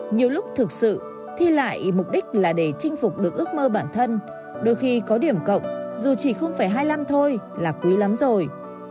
nhiều lúc thực sự thi lại mục đích là để chinh phục được ước mơ bản thân đôi khi có điểm cộng dù chỉ hai năm thôi là quý lắm rồi